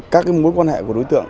các cái mối quan hệ của đối tượng